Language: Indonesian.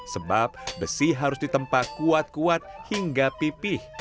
sebab besi harus ditempa kuat kuat hingga pipih